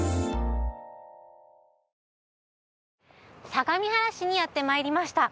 相模原市にやってまいりました